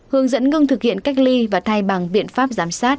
hướng dẫn ngưng thực hiện cách ly và thay bằng biện pháp giám sát